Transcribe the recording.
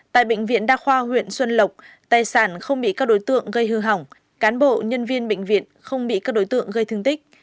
tại bệnh viện đa khoa huyện xuân lộc tài sản không bị các đối tượng gây hư hỏng cán bộ nhân viên bệnh viện không bị các đối tượng gây thương tích